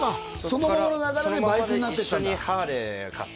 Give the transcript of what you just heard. そのままの流れでバイクになってったんだ